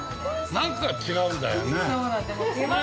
◆何か違うんだよね。